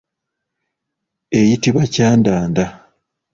Eyitibwa kyandanda.